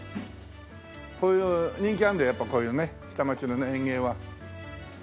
こういう人気あるんだやっぱこういうね下町のね演芸は。